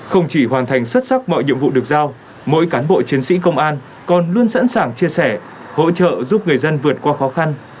không chỉ hoàn thành xuất sắc mọi nhiệm vụ được giao mỗi cán bộ chiến sĩ công an còn luôn sẵn sàng chia sẻ hỗ trợ giúp người dân vượt qua khó khăn